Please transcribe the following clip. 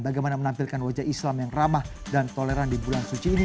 bagaimana menampilkan wajah islam yang ramah dan toleran di bulan suci ini